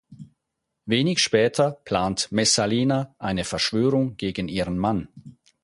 Wenig später plant Messalina eine Verschwörung gegen ihren Mann.